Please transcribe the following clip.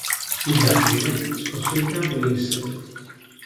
Infine scosse il capo e disse.